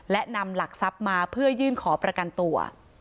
และนำหลักทรัพย์มาเพื่อยื่นขอประกันตัว